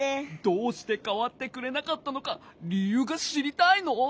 どうしてかわってくれなかったのかりゆうがしりたいの？